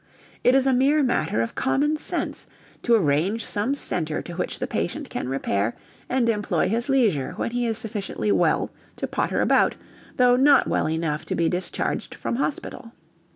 It is a mere matter of common sense to arrange some centre to which the patient can repair and employ his leisure when he is sufficiently well to potter about though not well enough to be discharged from hospital.